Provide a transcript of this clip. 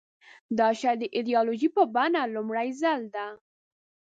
دا شی د ایدیالوژۍ په بڼه لومړي ځل ده.